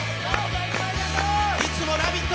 いつも「ラヴィット！」